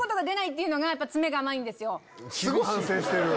すぐ反省してる！